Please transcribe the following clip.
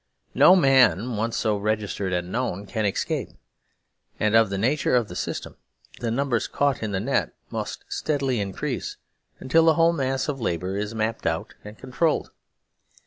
No man, once so registered and known, can escape; and, of the nature of the system, the numbers caught in the net must steadily increase until the whole mass of labour is mapped out and controlled.